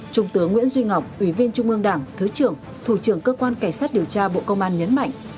trung tướng nguyễn duy ngọc ủy viên trung ương đảng thứ trưởng thủ trưởng cơ quan cảnh sát điều tra bộ công an nhấn mạnh